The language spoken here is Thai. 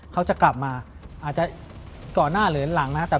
เขาจะกลับมาอาจจะก่อนหน้าหรือหลังนะครับ